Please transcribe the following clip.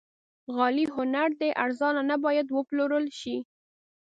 غالۍ هنر دی، ارزانه نه باید وپلورل شي.